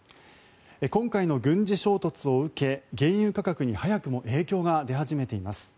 今回の軍事衝突を受け原油価格に早くも影響が出始めています。